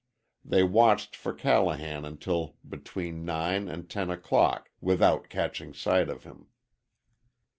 They watched for Callahan until between nine and ten o'clock, without catching sight of him.